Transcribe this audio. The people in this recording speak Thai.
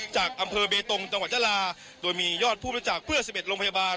จากอำเภอเบตรงจังหวัดจราโดยมียอดผู้รู้จักเพื่อสิบเอ็ดโรงพยาบาล